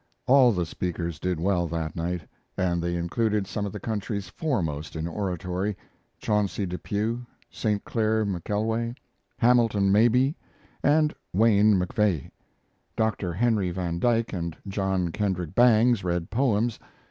All the speakers did well that night, and they included some of the country's foremost in oratory: Chauncey Depew, St. Clair McKelway, Hamilton Mabie, and Wayne MacVeagh. Dr. Henry van Dyke and John Kendrick Bangs read poems.